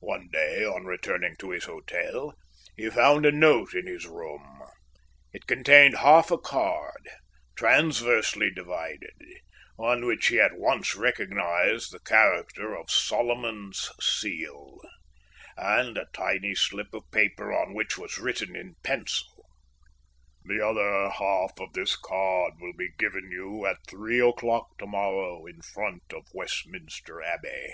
One day, on returning to his hotel, he found a note in his room. It contained half a card, transversely divided, on which he at once recognized the character of Solomon's Seal, and a tiny slip of paper on which was written in pencil: The other half of this card will be given you at three o'clock tomorrow in front of Westminster Abbey.